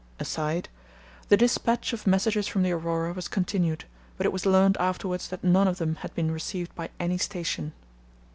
[The dispatch of messages from the Aurora was continued, but it was learned afterwards that none of them had been received by any station.